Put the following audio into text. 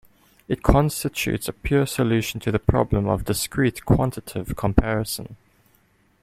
It constitutes a pure solution to the problem of discrete quantitative comparison.